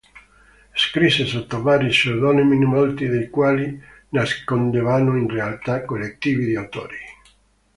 Scrisse sotto vari pseudonimi, molti dei quali nascondevano in realtà collettivi di autori.